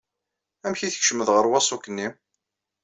Amek i tkecmeḍ ɣer waṣuk-nni?